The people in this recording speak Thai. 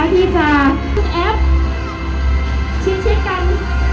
ที่จะแอปชิดกัน